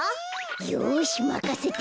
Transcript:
よしまかせて。